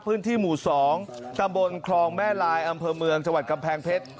พื้นที่หมู่๒ตำบลคลองแม่ลายอำเภอเมืองจังหวัดกำแพงเพชร